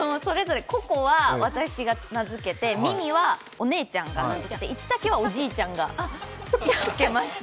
ココは私が名付けてミミはお姉ちゃんが名付けてイチタケはおじいちゃんが名付けました。